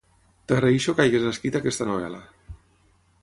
T'agreixo que hagis escrit aquesta novel·la.